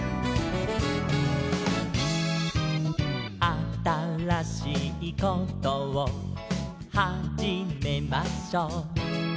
「あたらしいことをはじめましょう」